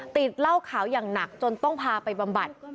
ติดเหล้าขาวอย่างหนักจนต้องพาไปบำบัด